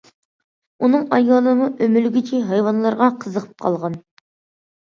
ئۇنىڭ ئايالىمۇ ئۆمىلىگۈچى ھايۋانلارغا قىزىقىپ قالغان.